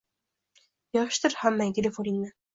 yig’ishtir hammang telefoningni